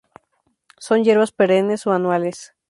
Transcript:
Son hierbas perennes o anuales.